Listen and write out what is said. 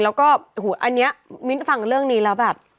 แล้วก็อันนี้มิ้นฟังเรื่องนี้แล้วแบบ